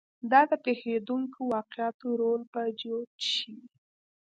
دا د پېښېدونکو واقعاتو رول به جوت شي.